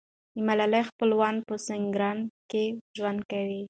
د ملالۍ خپلوان په سینګران کې ژوند کوي.